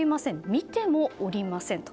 見てもおりませんと。